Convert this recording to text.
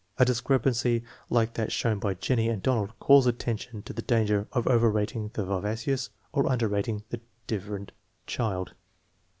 A discrepancy like that shown by Jennie and Donajd calls attention to the danger of over rating the vivacious or under rating the diffident child.